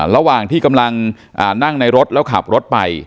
ระหว่างที่กำลังนั่งในรถแล้วขับรถไป